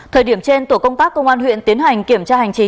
thời điểm trên tổ công tác công an huyện tiến hành kiểm tra hành chính